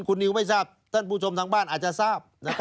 คุณนิวไม่ทราบท่านผู้ชมทางบ้านอาจจะทราบ